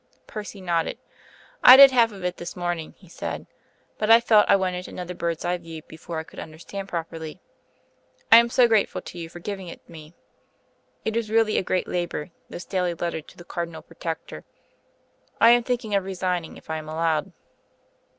Percy nodded. "I did half of it this morning," he said, "but I felt I wanted another bird's eye view before I could understand properly: I am so grateful to you for giving it me. It is really a great labour, this daily letter to the Cardinal Protector. I am thinking of resigning if I am allowed."